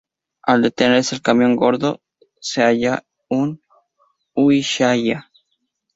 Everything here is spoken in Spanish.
Al detenerse el camión, Gordo se halla en Ushuaia.